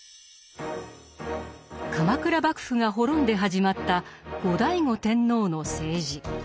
鎌倉幕府が滅んで始まった後醍醐天皇の政治。